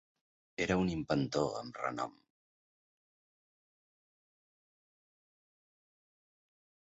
Era un inventor amb renom.